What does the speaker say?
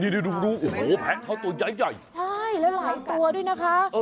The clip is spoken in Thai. ดูแพ้เขาตัวใหญ่ใช่แล้วหลายตัวด้วยนะคะ